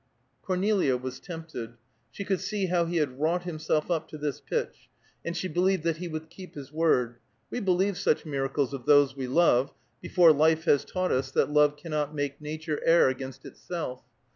Cornelia was tempted. She could see how he had wrought himself up to this pitch, and she believed that he would keep his word; we believe such miracles of those we love, before life has taught us that love cannot make nature err against itself.